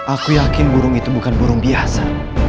aku yakin burung itu bukan burung biasa